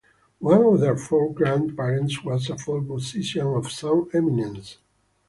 One of their four grand parents was a folk musician of some eminence.